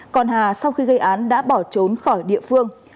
còn hà sau khi gây án đã bỏ trốn khỏi địa phương